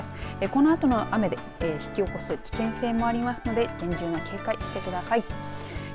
このあとの雨で引き起こす危険性もありますので厳重な警戒してください。